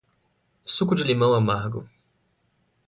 Suco de limão amargo